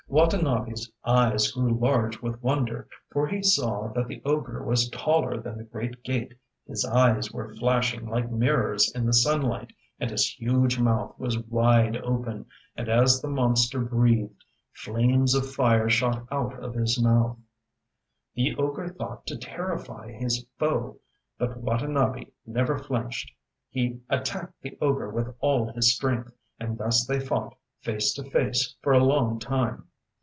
WatanabeŌĆÖs eyes grew large with wonder, for he saw that the ogre was taller than the great gate, his eyes were flashing like mirrors in the sunlight, and his huge mouth was wide open, and as the monster breathed, flames of fire shot out of his mouth. The ogre thought to terrify his foe, but Watanabe never flinched. He attacked the ogre with all his strength, and thus they fought face to face for a long time.